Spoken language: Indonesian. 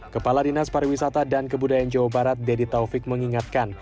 kepala dinas pariwisata dan kebudayaan jawa barat deddy taufik mengingatkan